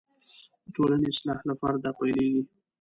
د ټولنې اصلاح له فرده پیلېږي.